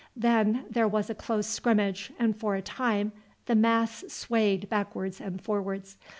Then there was a close scrimmage, and for a time the mass swayed backwards and forwards.